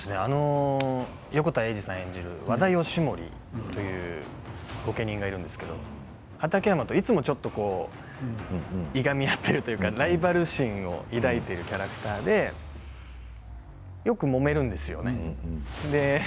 横田栄司さん演じる和田義盛という御家人がいるんですが畠山といつもちょっといがみ合っているというか、ライバル心を抱いているキャラクターでよくもめるんですよね。